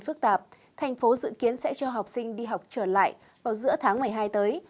phức tạp thành phố dự kiến sẽ cho học sinh đi học trở lại vào giữa tháng một mươi hai tới